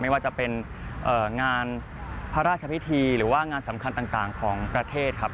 ไม่ว่าจะเป็นงานพระราชพิธีหรือว่างานสำคัญต่างของประเทศครับ